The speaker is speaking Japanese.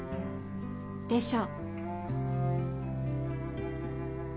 でしょ？